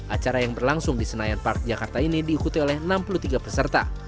acara yang berlangsung di senayan park jakarta ini diikuti oleh enam puluh tiga peserta